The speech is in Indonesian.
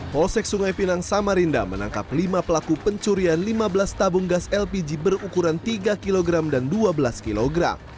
polsek sungai pinang samarinda menangkap lima pelaku pencurian lima belas tabung gas lpg berukuran tiga kg dan dua belas kg